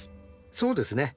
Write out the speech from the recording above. そうですね。